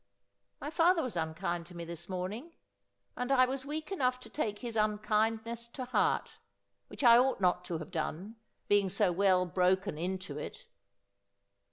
My father was unkind to me this morning ; and I was weak enough to take his unkindness to heart ; which I ought not to have done, being so well broken in to it.'